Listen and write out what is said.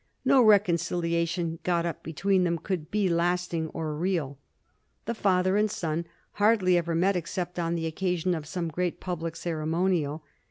No reconciliation got up between them could be lasting or real. The father and son hardly ever met except on the occasion of some great public ceremonial.